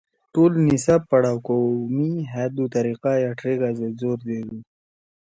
ٹول نصاب پڑھاؤ کؤ می ہأ دُو طریقہ یا ٹریکا زید زور دیدُو۔